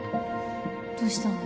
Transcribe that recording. どうしたの？